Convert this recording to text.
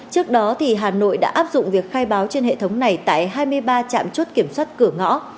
trước đó hà nội đã áp dụng việc khai báo trên hệ thống này tại hai mươi ba trạm chốt kiểm soát cửa ngõ